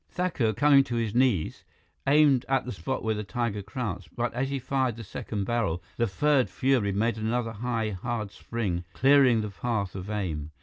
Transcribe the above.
Thakur, coming to his knees, aimed at the spot where the tiger crouched, but as he fired the second barrel, the furred fury made another high, hard spring, clearing the path of aim.